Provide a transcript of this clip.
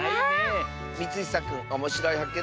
みつひさくんおもしろいはっけん